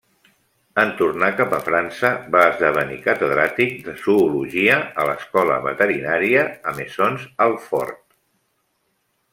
En tornar cap a França va esdevenir catedràtic de zoologia a l'Escola Veterinària a Maisons-Alfort.